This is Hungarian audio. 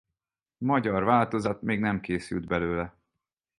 Magyar változat még nem készült belőle.